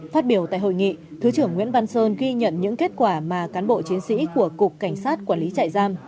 phát biểu tại hội nghị thứ trưởng nguyễn văn sơn ghi nhận những kết quả mà cán bộ chiến sĩ của cục cảnh sát quản lý trại giam